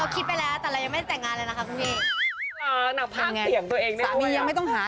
สามียังไม่ต้องหา